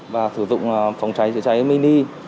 và sử dụng phòng chạy chạy chạy mini